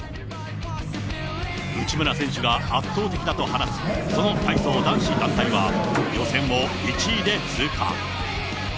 内村選手が圧倒的だと話す、その体操男子団体は、予選を１位で通過。